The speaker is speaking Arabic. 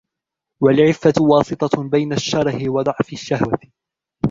وَالْعِفَّةُ وَاسِطَةٌ بَيْنَ الشَّرَهِ وَضَعْفِ الشَّهْوَةِ